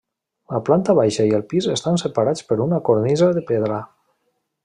La planta baixa i el pis estan separats per una cornisa de pedra.